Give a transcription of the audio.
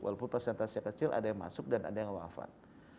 walaupun persentasenya kecil ada yang masuk dan ada yang wafat